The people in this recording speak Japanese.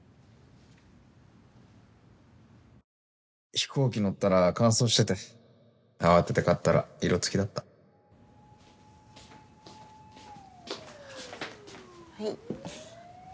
飛行機乗ったら乾燥してて慌てて買ったら色つきだったはい。